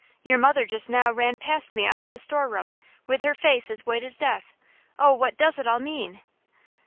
Your mother just now ran past me out of the store room, with her face as white as death! Oh, what does it all mean?"